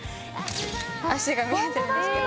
足が見えてるんですけど。